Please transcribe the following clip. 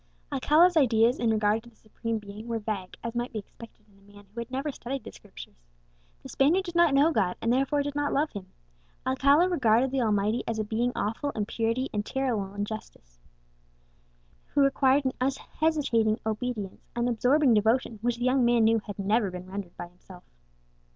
Alcala's ideas in regard to the Supreme Being were vague, as might be expected in a man who had never studied the Scriptures. The Spaniard did not know God, and therefore did not love Him. Alcala regarded the Almighty as a Being awful in purity and terrible in justice, who required an unhesitating obedience, an absorbing devotion, which the young man knew had never been rendered by himself.